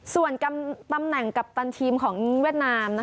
ส่วนตำแหน่งกัปตันทีมของเวียดนาม